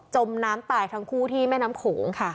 มน้ำตายทั้งคู่ที่แม่น้ำโขงค่ะ